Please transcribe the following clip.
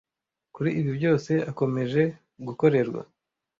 kuri ibi byose akomeje gukorerwa